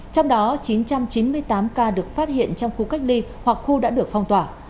trong đó chín trăm chín mươi tám ca được phát hiện trong khu cách ly hoặc khu đã được phong tỏa